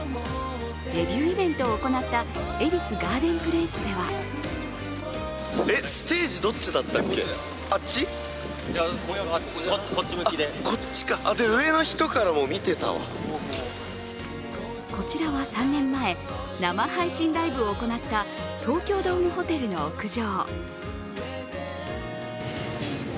デビューイベントを行った恵比寿ガーデンプレイスではこちらは３年前、生配信ライブを行った東京ドームホテルの屋上。